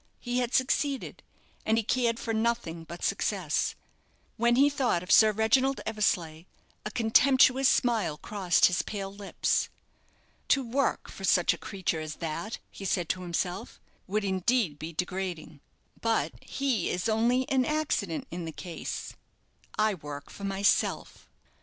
He had succeeded, and he cared for nothing but success. When he thought of Sir Reginald Eversleigh, a contemptuous smile crossed his pale lips. "To work for such a creature as that," he said to himself, "would indeed be degrading; but he is only an accident in the case I work for myself."